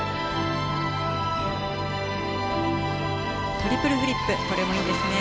トリプルフリップこれもいいですね